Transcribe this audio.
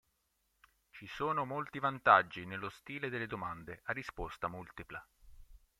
Ci sono molti vantaggi nello stile delle domande a risposta multipla.